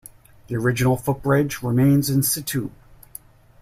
The original footbridge remains in situ.